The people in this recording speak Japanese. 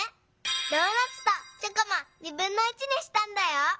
ドーナツとチョコもにしたんだよ。